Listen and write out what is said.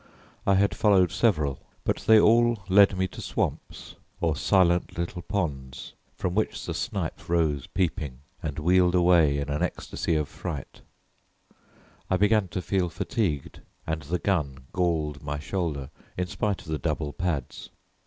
I had followed several, but they all led me to swamps or silent little ponds from which the snipe rose peeping and wheeled away in an ecstasy of fright I began to feel fatigued, and the gun galled my shoulder in spite of the double pads.